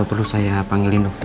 perlu saya panggilin dokter